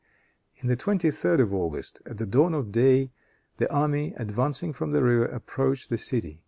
On the 23d of August, at the dawn of day, the army, advancing from the river, approached the city.